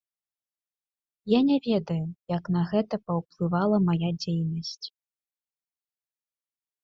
Я не ведаю, як на гэта паўплывала мая дзейнасць.